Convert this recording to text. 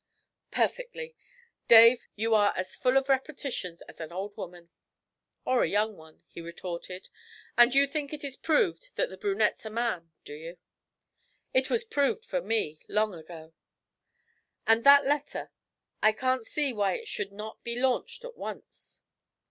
'Perfectly. Dave, you are as full of repetitions as an old woman!' 'Or a young one,' he retorted; 'and you think it is proved that the brunette's a man, do you?' 'It was proved, for me, long ago.' 'And that letter? I can't see why it should not be launched at once.'